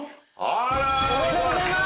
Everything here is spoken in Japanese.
あらおめでとうございます！